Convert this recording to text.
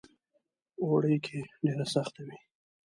اوړي کې ډېره سخته وي.